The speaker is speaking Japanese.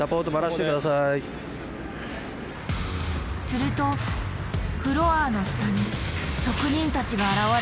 するとフロアの下に職人たちが現れた。